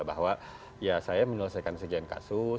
bahwa ya saya menyelesaikan sekian kasus